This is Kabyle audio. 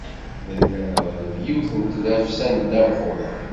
Nella neɣleb yiwet n tlefsa n ddabex uḍar.